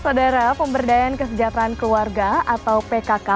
saudara pemberdayaan kesejahteraan keluarga atau pkk